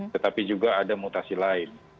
tetapi juga ada mutasi lain